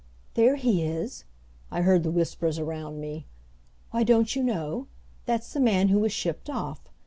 "There he is," I heard the whispers around me. "Why, don't you know? That's the man who was shipped off.